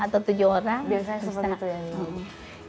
biasanya seperti itu ya bu